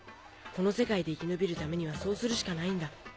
この世界で生き延びるためにはそうするしかないんだ。